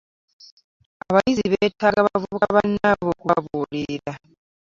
Abayizi beetaaga bavubuka bannaabwe okubabuulirira.